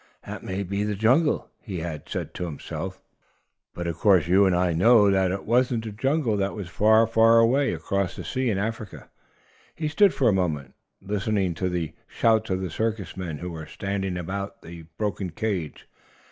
"That may be the jungle," he had said to himself. But of course you and I know that it wasn't the jungle. That was far, far away across the sea in Africa. He stood for a moment, listening to the shouts of the circus men, who were standing about the broken cage.